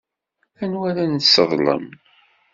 Anwa ara nesseḍlem?